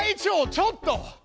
ちょっと！